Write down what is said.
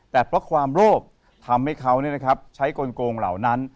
แต่เพราะความโลภทำให้เขาใช้กลงเหล่านั้น